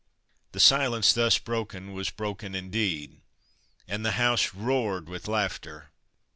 The silence thus broken was broken indeed, and the house roared with laughter.